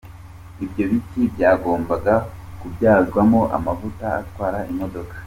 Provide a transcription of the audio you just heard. Ibyo biti byagombaga kubyazwamo amavuta atwara imodoka.